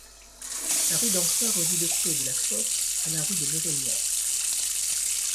La rue d'Ancin relie le quai de la Fosse à la rue de l'Héronnière.